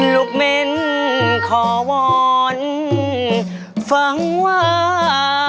เม้นขอวอนฟังว่า